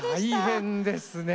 大変ですねえ。